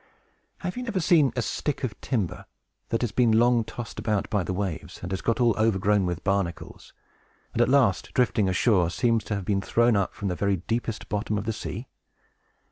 Have you never seen a stick of timber, that has been long tossed about by the waves, and has got all overgrown with barnacles, and, at last drifting ashore, seems to have been thrown up from the very deepest bottom of the sea?